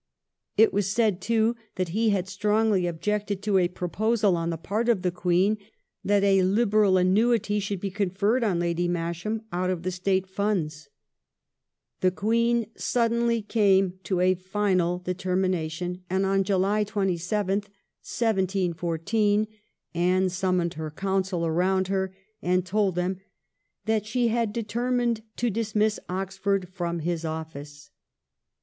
It was said, too, that he had strongly objected to a proposal on the part of the Queen that a liberal annuity should be conferred on Lady Masham out of the State funds. The Queen sud denly came to a final determination, and on July 27, 1714, Anne summoned her Council around her and told them that she had dietermined to dismiss Oxford from his oflSce.